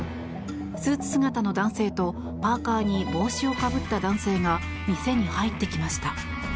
スーツ姿の男性とパーカに帽子をかぶった男性が店に入ってきました。